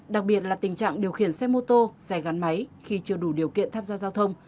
đặc biệt là tình trạng điều khiển xe mô tô xe gắn máy khi chưa đủ điều kiện tham gia giao thông